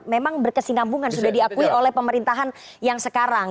memang berkesinambungan sudah diakui oleh pemerintahan yang sekarang